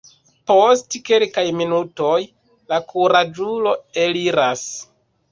Post kelkaj minutoj la kuraĝulo eliras.